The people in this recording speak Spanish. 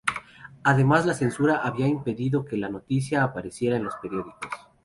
Además la censura había impedido que la noticia apareciera en los periódicos.